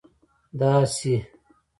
داسي